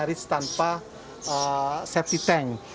nyaris tanpa septic tank